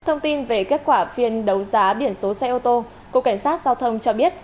thông tin về kết quả phiên đấu giá biển số xe ô tô cục cảnh sát giao thông cho biết